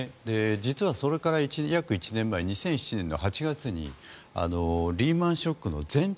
実はそれから約１年前２００７年の８月にリーマン・ショックの前兆